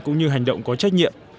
cũng như hành động có trách nhiệm